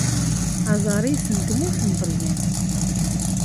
Aẓar-is n tmurt n Ṭelyan.